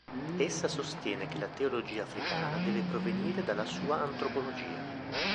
Essa sostiene che la teologia africana deve provenire dalla sua antropologia.